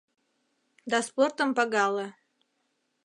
Да спортым пагале.